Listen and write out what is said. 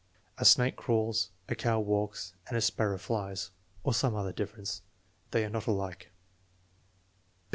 "A snake crawls, a cow walks, and a sparrow flies" (or some other difference). "They are not alike."